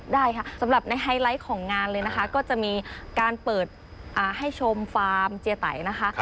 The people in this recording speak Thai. ได้ค่ะสำหรับในไฮไลท์ของงานเลยนะคะก็จะมีการเปิดให้ชมฟาร์มเจียไตนะคะ